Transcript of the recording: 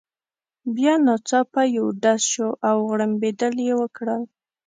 بیا ناڅاپه یو درز شو، او غړمبېدل يې وکړل.